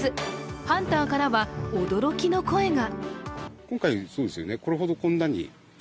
ハンターからは、驚きの声が。